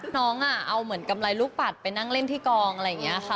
น้องเอาเหมือนกำไรลูกปัดไปนั่งเล่นที่กองอะไรอย่างนี้ค่ะ